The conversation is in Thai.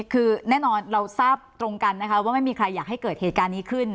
คือแน่นอนเราทราบตรงกันนะคะว่าไม่มีใครอยากให้เกิดเหตุการณ์นี้ขึ้น